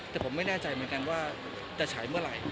แต่ผมไม่แน่ใจเหมือนกันว่าจะฉายเมื่อไหร่